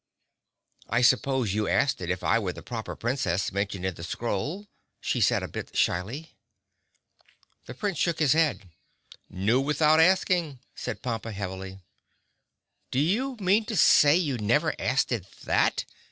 "I suppose you asked it if I were the Proper Princess mentioned in the scroll," she said, a bit shyly. The Prince shook his head. "Knew without asking," said Pompa heavily. "Do you mean to say you never asked it that?"